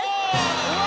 うわ！